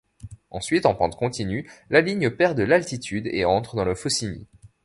Ensuite en pente continue, la ligne perd de l'altitude et entre dans le Faucigny.